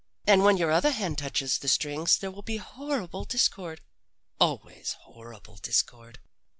And when your other hand touches the strings there will be horrible discord always horrible discord.